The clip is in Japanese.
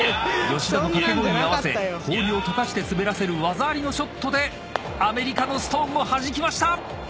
吉田の掛け声に合わせ氷を溶かして滑らせる技ありのショットでアメリカのストーンをはじきました！